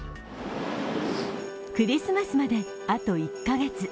クリスマスまであと１カ月。